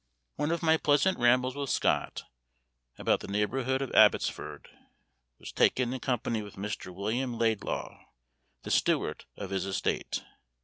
One of my pleasant rambles with Scott, about the neighborhood of Abbotsford, was taken in company with Mr. William Laidlaw, the steward of his estate.